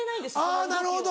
あぁなるほど。